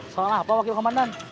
soal apa wakil komandan